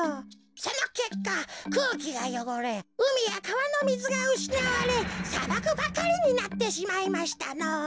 そのけっかくうきがよごれうみやかわのみずがうしなわれさばくばかりになってしまいましたのぉ。